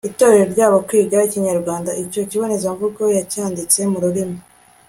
itorero ryabo kwiga ikinyarwanda. icyo kibonezamvugo yacyanditse mu rurimi